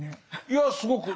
いやすごく。